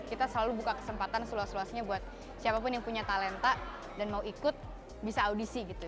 kita selalu buka kesempatan seluas luasnya buat siapapun yang punya talenta dan mau ikut bisa audisi gitu